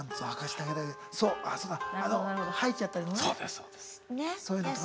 あの吐いちゃったりのね。